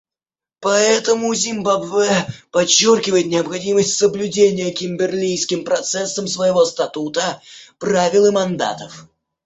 Поэтому Зимбабве подчеркивает необходимость соблюдения Кимберлийским процессом своего статута, правил и мандатов.